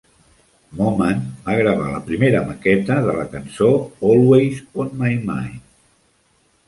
Moman va gravar la primera maqueta de la cançó "Always on My Mind"".